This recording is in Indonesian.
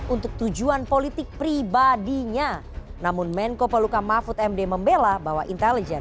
untuk tujuan politik pribadinya namun menko poluka mahfud md membela bahwa intelijen